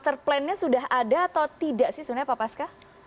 suter plan nya sudah ada atau tidak sih sebenarnya pak paska